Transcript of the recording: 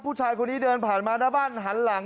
ผู้ชายคนนี้เดินผ่านมาหน้าบ้านหันหลัง